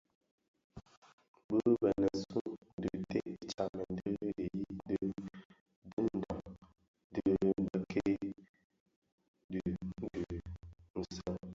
Bi bënèsun dhi ted tsamèn ki dhiyi di dhiňdoon di bikei di dhi di nsèň: